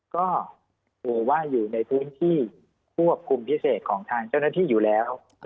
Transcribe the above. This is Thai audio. ก็ถือว่าอยู่ในพื้นที่ควบคุมพิเศษของทางเจ้าหน้าที่อยู่แล้ว